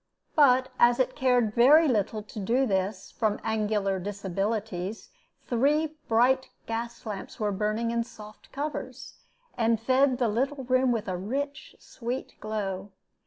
But as it cared very little to do this, from angular disabilities, three bright gas lights were burning in soft covers, and fed the little room with a rich, sweet glow.